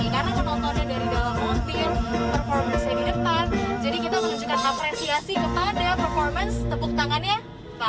karena penontonnya dari dalam mobil performa bisa di depan